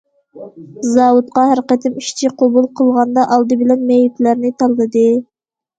زاۋۇتقا ھەر قېتىم ئىشچى قوبۇل قىلغاندا، ئالدى بىلەن مېيىپلەرنى تاللىدى.